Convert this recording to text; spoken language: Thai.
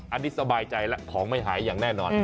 อันนี้สบายใจแล้วของไม่หายอย่างแน่นอน